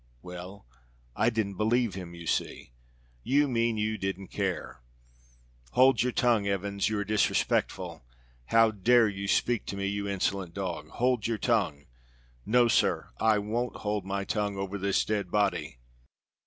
"Well, I didn't believe him, you see." "You mean you didn't care." "Hold your tongue, Evans! You are disrespectful. How dare you speak to me, you insolent dog? Hold your tongue!" "No, sir, I won't hold my tongue over this dead body."